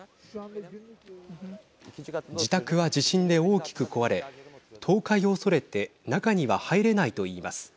自宅は地震で大きく壊れ倒壊を恐れて中には入れないと言います。